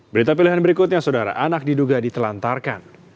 berita pilihan berikutnya saudara anak diduga ditelantarkan